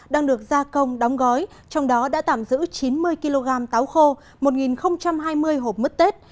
đang được gia công đóng gói trong đó đã tạm giữ chín mươi kg táo khô một hai mươi hộp mứt tết